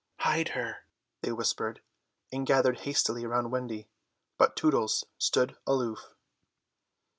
"Hide her," they whispered, and gathered hastily around Wendy. But Tootles stood aloof.